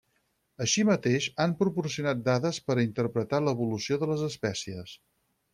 Així mateix han proporcionat dades per a interpretar l'evolució de les espècies.